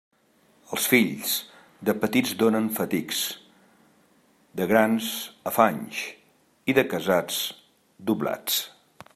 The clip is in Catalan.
Els fills, de petits donen fatics; de grans, afanys, i de casats, doblats.